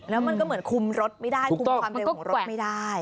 แล้วมันก็เหมือนคุมรถไม่ได้คุมความเร็วของรถไม่ได้